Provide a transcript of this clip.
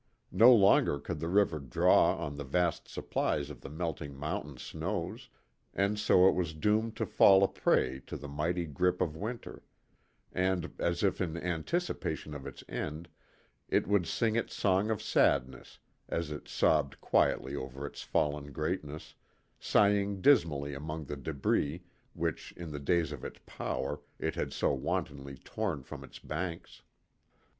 No longer could the river draw on the vast supplies of the melting mountain snows, and so it was doomed to fall a prey to the mighty grip of winter, and, as if in anticipation of its end, it would sing its song of sadness as it sobbed quietly over its fallen greatness, sighing dismally amongst the debris which in the days of its power it had so wantonly torn from its banks.